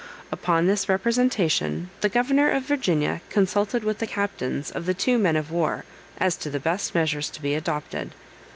Upon this representation, the Governor of Virginia consulted with the captains of the two men of war as to the best measures to be adopted.